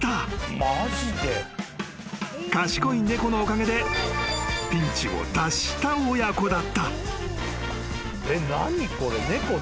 ［賢い猫のおかげでピンチを脱した親子だった］